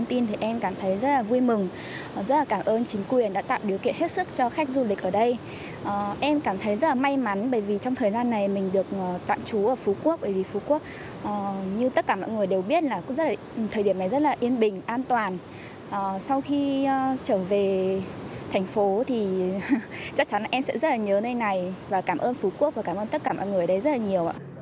thì chắc chắn là em sẽ rất là nhớ nơi này và cảm ơn phú quốc và cảm ơn tất cả mọi người ở đây rất là nhiều